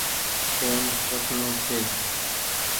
ڦون رکڻو ڇي۔